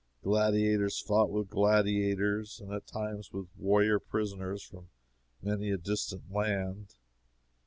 Gladiators fought with gladiators and at times with warrior prisoners from many a distant land.